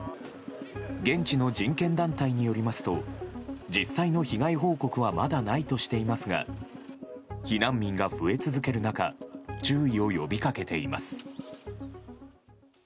現地の人権団体によりますと実際の被害報告はまだないとしていますが避難民が増え続ける中注意を呼びかけています。